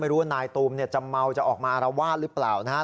ไม่รู้ว่านายตูมจะเมาจะออกมาระวาดหรือเปล่านะฮะ